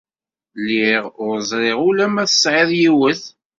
Lliɣ ur ẓriɣ ula ma tesɛiḍ yiwet.